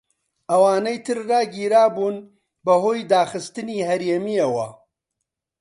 ئەوانەی تر ڕاگیرابوون بەهۆی داخستنی هەرێمیەوە.